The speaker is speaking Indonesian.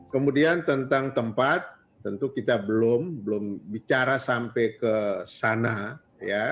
kemudian tentang tempat tentu kita belum bicara sampai ke sana ya